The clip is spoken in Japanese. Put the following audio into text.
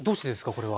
これは。